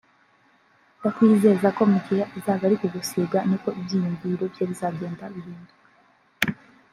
ndakwizeza ko mu gihe azaba ari kugusiga niko ibyiyumviro bye bizagenda bihinduka